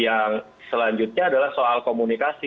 yang selanjutnya adalah soal komunikasi